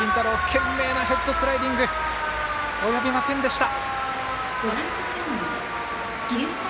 懸命なヘッドスライディング及びませんでした。